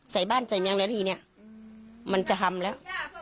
ใส่บ้านใส่แม่อะไรทีเนี่ยมันจะทำแล้ว